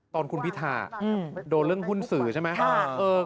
ตอนคุณพิธาโดนเรื่องหุ้นสื่อใช่ไหม